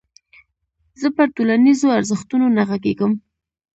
زه پر ټولنيزو ارزښتونو نه غږېږم.